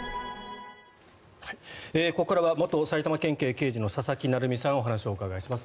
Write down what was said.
ここからは元埼玉県警刑事の佐々木成三さんにお話をお伺いします。